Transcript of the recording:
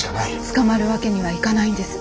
捕まるわけにはいかないんです。